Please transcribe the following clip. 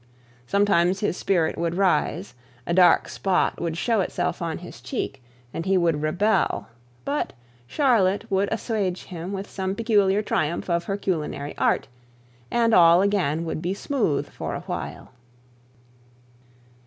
Sometimes his spirit would rise, a dark spot would show itself on his cheek, and he would rebel; but Charlotte would assuage him with some peculiar triumph of her culinary art, and all again would be smooth for a while.